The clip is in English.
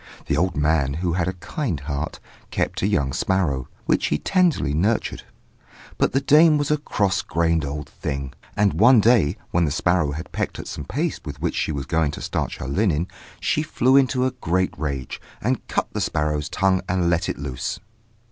The old man, who had a kind heart, kept a young sparrow, which he tenderly nurtured. But the dame was a cross grained old thing; and one day, when the sparrow had pecked at some paste with which she was going to starch her linen, she flew into a great rage, and cut the sparrow's tongue and let it loose.